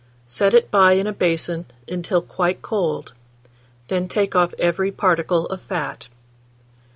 Set it by in a basin until quite cold, then take off every particle of fat.